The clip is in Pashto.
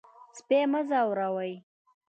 سپي مه ځوروئ.